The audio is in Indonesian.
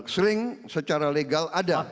sering secara legal ada